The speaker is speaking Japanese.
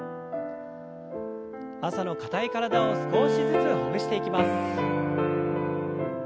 朝の硬い体を少しずつほぐしていきます。